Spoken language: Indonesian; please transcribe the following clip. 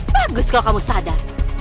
bagus kalau kamu sadar